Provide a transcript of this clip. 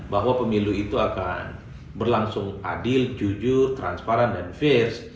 bahwa pemilu itu akan berlangsung adil jujur transparan dan fair